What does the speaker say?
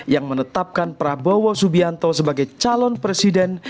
yang menetapkan prabowo subianto sebagai calon presiden